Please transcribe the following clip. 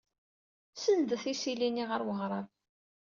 Senndet isili-nni ɣer uɣrab.